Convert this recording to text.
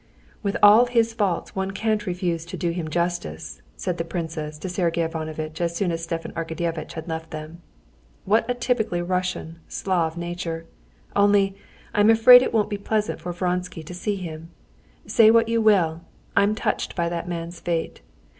"With all his faults one can't refuse to do him justice," said the princess to Sergey Ivanovitch as soon as Stepan Arkadyevitch had left them. "What a typically Russian, Slav nature! Only, I'm afraid it won't be pleasant for Vronsky to see him. Say what you will, I'm touched by that man's fate.